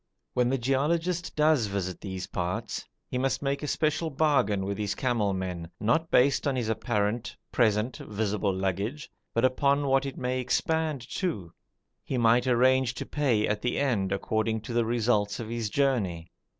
When the geologist does visit these parts he must make a special bargain with his camel men, not based on his apparent, present, visible baggage, but upon what it may expand to. He might arrange to pay at the end according to the results of his journey.